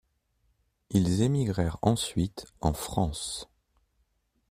Ils émigrèrent ensuite en France.